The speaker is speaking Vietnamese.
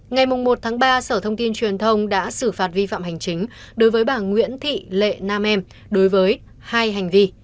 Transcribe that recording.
ngày một ba sở thông tin truyền thông đã xử phạt vi phạm hành chính đối với bà nguyễn thị lệ nam em đối với hai hành vi